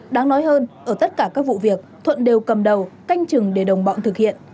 đáng nói hơn ở tất cả các vụ việc thuận đều cầm đầu canh chừng để đồng bọn thực hiện